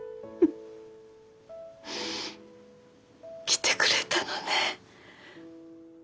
来てくれたのね。